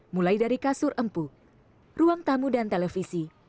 mulai dari kasur empuk ruang tamu dan televisi